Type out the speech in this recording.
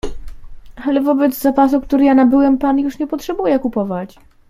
"Ale wobec zapasu, który ja nabyłem pan już nie potrzebuje kupować."